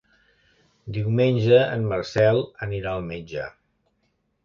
Diumenge en Marcel anirà al metge.